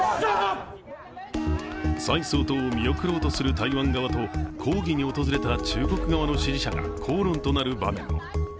蔡総統を見送ろうとする台湾側と抗議に訪れた中国側の支持者が口論となる場面も。